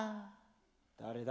誰だ？